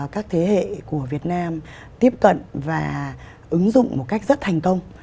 các thế hệ của việt nam tiếp cận và ứng dụng một cách rất thành công